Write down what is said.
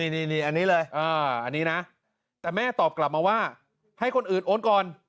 นี่อันนี้เลยอันนี้นะแต่แม่ตอบกลับมาว่าให้คนอื่นโอนก่อน